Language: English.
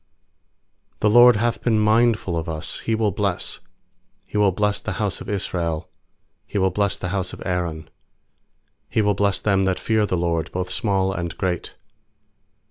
"The LORD hath been mindful of us, He will bless — He will bless the house of Israel; He will bless the house of Aaron. 13He will bless them that fear the LORD, Both small and great.